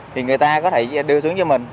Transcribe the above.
thì người ta có thể đưa xuống cho mình